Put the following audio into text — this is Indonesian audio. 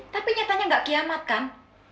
tapi nyatanya nggak kiamat kan